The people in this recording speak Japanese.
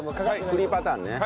振りパターンね。